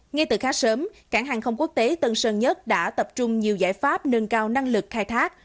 ngay từ khá sớm cảng hàng không quốc tế tân sơn nhất đã tập trung nhiều giải pháp nâng cao năng lực khai thác